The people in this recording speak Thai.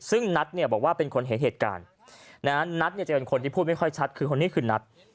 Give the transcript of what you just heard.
ซึ่งนัทเนี่ยบอกว่าเป็นคนเห็นเหตุการณ์นัทเนี่ยจะเป็นคนที่พูดไม่ค่อยชัดคือคนนี้คือนัท